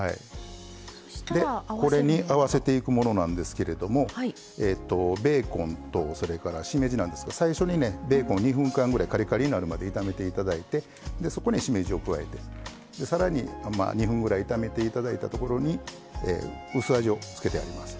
でこれに合わせていくものなんですけれどもベーコンとそれからしめじなんですけど最初にねベーコン２分間ぐらいカリカリになるまで炒めていただいてでそこにしめじを加えてで更に２分ぐらい炒めていただいたところに薄味を付けてやります。